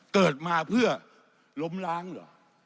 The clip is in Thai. เกิดมาเพื่อล้มล้างเหรอ